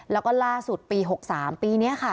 แล้วก็ล่าสุดปี๖๓ปีนี้ค่ะ